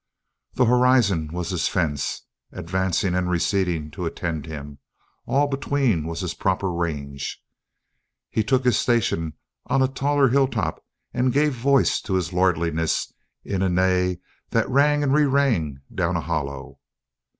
The horizon was his fence, advancing and receding to attend him; all between was his proper range. He took his station on a taller hilltop and gave voice to his lordliness in a neigh that rang and re rang down a hollow.